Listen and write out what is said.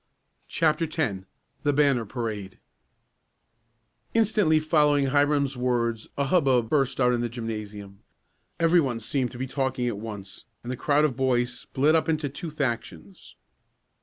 CHAPTER X THE BANNER PARADE Instantly following Hiram's words a hub bub burst out in the gymnasium. Everyone seemed to be talking at once, and the crowd of boys split up into two factions.